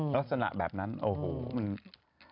ลักษณะแบบนั้นโอ้โหมัน